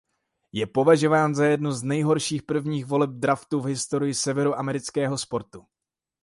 Je považován za jednu z nejhorších prvních voleb draftu v historii severoamerického sportu.